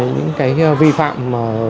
những cái vi phạm